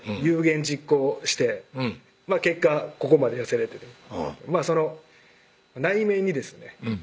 有言実行して結果ここまで痩せれてるその内面にですね